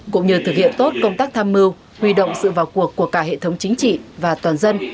cũng như thực hiện tốt công tác tham mưu huy động sự vào cuộc của cả hệ thống chính trị và toàn dân